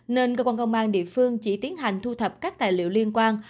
nên cơ quan công an địa phương chỉ tiến hành thu thập các tài liệu liên quan